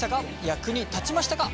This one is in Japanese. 役に立ちましたか？